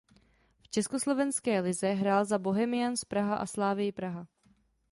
V československé lize hrál za Bohemians Praha a Slavii Praha.